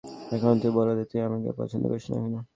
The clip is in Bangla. এখন তো বলে দে, তুই আমাকে পছন্দ করিস কিনা?